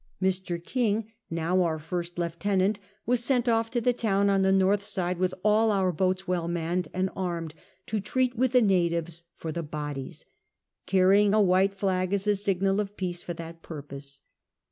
Mr. King, now our first lieutenant, was sent off to the town on the north side with all our boats well manned and armed to treat with the natives for the bodies ; carrying a white flag as a signal of peace for that purpose.